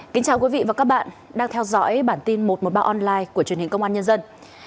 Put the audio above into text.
chào mừng quý vị đến với bản tin một trăm một mươi ba online của truyền hình công an nhân dân